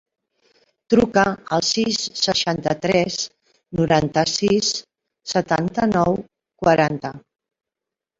Truca al sis, seixanta-tres, noranta-sis, setanta-nou, quaranta.